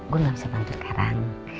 gue gak bisa bantu sekarang